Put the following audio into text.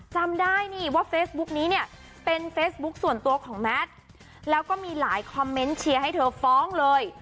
จำได้นี่ว่าเฟซบุ๊กนี้เนี่ยเป็นเฟซบุ๊คส่วนตัวของแมทแล้วก็มีหลายคอมเมนต์เชียร์ให้เธอฟ้องเลย